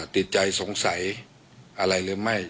ติดใจสงสัยอะไรหรือไม่